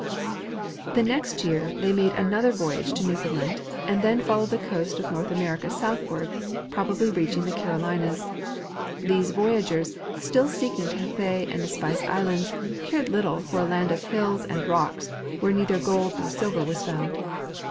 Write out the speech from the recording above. The next year they made another voyage to Newfoundland, and tlien followed the coast of North America southward, probably reaching tlie Carolinas. These voyagers, still seeking Cathay and the Spice islands, cared little for a land of hills and rocks, where neither gold nor silver was found.